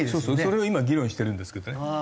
それを今議論してるんですけどね。